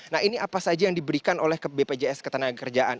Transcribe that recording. nah ini apa saja yang diberikan oleh bpjs ketenagakerjaan